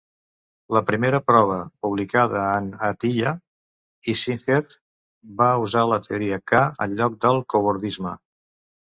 La primera prova publicada de Atiyah i Singer va usar la teoria K en lloc del cobordisme.